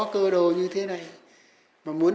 cơ đồ như thế này mà muốn